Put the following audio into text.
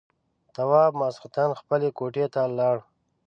تواب ماخستن خپلې کوټې ته لاړ.